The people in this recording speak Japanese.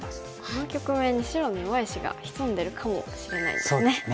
この局面に白の弱い石が潜んでるかもしれないですね。